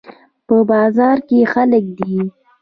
په بازار کې خلک دي